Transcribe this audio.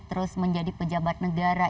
terus menjadi pejabat negara